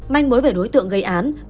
manh mối về đối tượng gây án